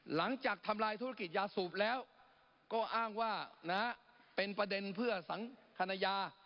หลังจากทำลายธุรกิจยาสูบแล้วก็อ้างว่านะเป็นประเด็นเพื่อสังคมคณะยา